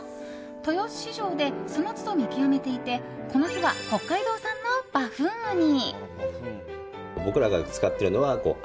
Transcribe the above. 豊洲市場でその都度、見極めていてこの日は北海道産のバフンウニ。